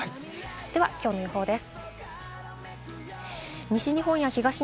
ではきょうの予報です。